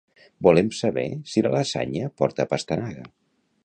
Volem saber si la lasanya porta pastanaga.